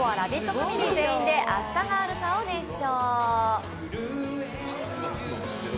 ファミリー全員で「明日があるさ」を熱唱。